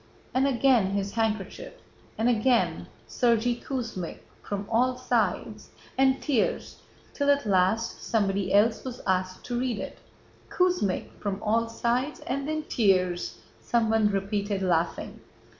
And again his handkerchief, and again: 'Sergéy Kuzmích, From all sides,'... and tears, till at last somebody else was asked to read it." "Kuzmích... From all sides... and then tears," someone repeated laughing.